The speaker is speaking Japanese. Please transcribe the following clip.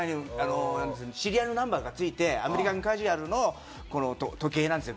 これは１８年前にシリアルナンバーがついて、アメリカンカジュアルの時計なんですよ。